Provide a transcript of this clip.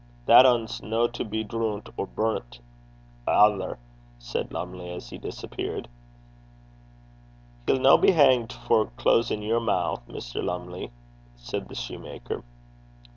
'That ane's no to be droont or brunt aither,' said Lumley, as he disappeared. 'He'll no be hang't for closin' your mou', Mr. Lumley,' said the shoemaker.